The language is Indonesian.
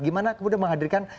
bagaimana kemudian menghadirkan